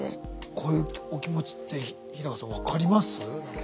こういうお気持ちって日さん分かります？